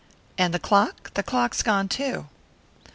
"And the clock? The clock's gone too."